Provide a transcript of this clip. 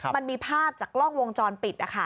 มันมีภาพจากล้องวงจรปิด